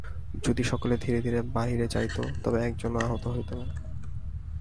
যদি সকলে ধীরে ধীরে বাহিরে যাইত, তবে একজনও আহত হইত না।